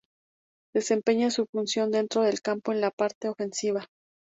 Desempeña su función dentro del campo en la parte ofensiva.